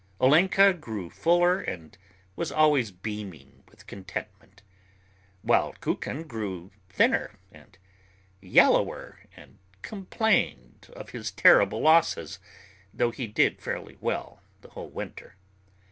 Olenka grew fuller and was always beaming with contentment; while Kukin grew thinner and yellower and complained of his terrible losses, though he did fairly well the whole winter.